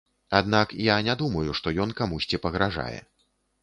Аднак, я не думаю, што ён камусьці пагражае.